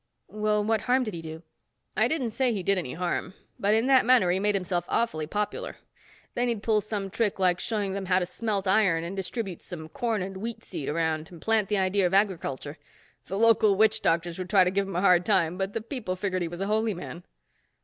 "Well, what harm did he do?" "I didn't say he did any harm. But in that manner he made himself awfully popular. Then he'd pull some trick like showing them how to smelt iron, and distribute some corn and wheat seed around and plant the idea of agriculture. The local witch doctors would try to give him a hard time, but the people figured he was a holy man."